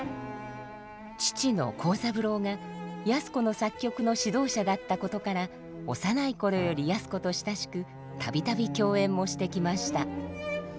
父の康三郎が靖子の作曲の指導者だったことから幼い頃より靖子と親しく度々共演もしてきました。